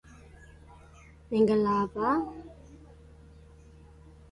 Tagline: "Don't run...She will find you".